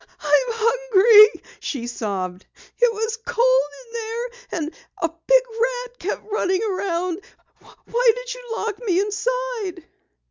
"I'm hungry," she sobbed. "It was cold in there, and a big rat kept running around. Why did you lock me inside?"